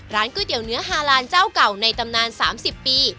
ก๋วยเตี๋ยเนื้อฮาลานเจ้าเก่าในตำนาน๓๐ปี